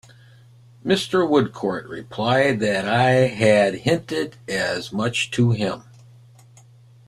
Mr. Woodcourt replied that I had hinted as much to him.